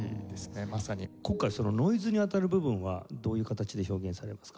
今回はそのノイズにあたる部分はどういう形で表現されますか？